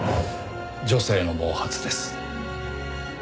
女性の毛髪です。